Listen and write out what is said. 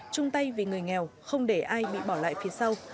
chung tay vì người nghèo không để ai bị bỏ lại phía sau